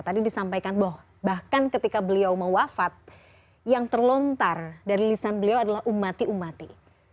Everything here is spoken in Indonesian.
tadi disampaikan bahwa bahkan ketika beliau mewafat yang terlontar dari lisan beliau adalah umati umati